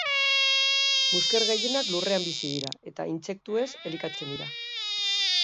Musker gehienak lurrean bizi dira eta intsektuez elikatzen dira.